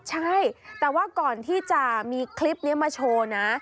ใช่แต่ว่าก่อนที่จะมีคลิปนี้มาโชว์นะ